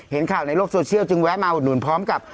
ข่าวในโลกโซเชียลจึงแวะมาอุดหนุนพร้อมกับ